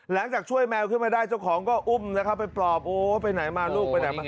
หลังจากช่วยแมวขึ้นมาได้เจ้าของก็อุ้มนะครับไปปลอบโอ้ไปไหนมาลูกไปไหนมา